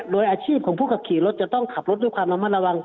โดยอาชีพของผู้ขับขี่รถจะต้องขับรถด้วยความระมัดระวัง